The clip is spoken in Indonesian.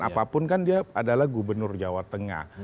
apapun kan dia adalah gubernur jawa tengah